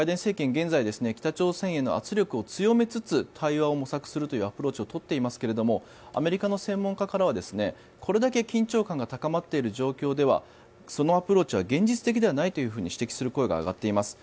現在、北朝鮮への圧力を強めつつ対話を模索するというアプローチを取っていますがアメリカの専門家からはこれだけ緊張感が高まっている状況ではそのアプローチは現実的ではないと指摘する声が上がっています。